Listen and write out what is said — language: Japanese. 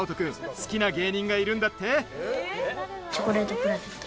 好きな芸人がいるんだって？